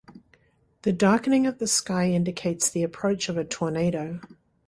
The darkening of the sky indicates the approach of a tornado.